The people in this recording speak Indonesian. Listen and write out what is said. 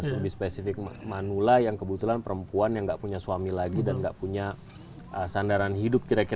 lebih spesifik manula yang kebetulan perempuan yang gak punya suami lagi dan gak punya sandaran hidup kira kira